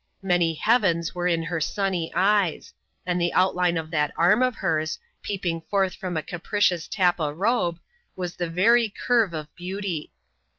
Many heavens were in her sunny eyes ; and the outline of that arm of hers, peeping forth from a capricious tappa robe, was the very curve of beauty.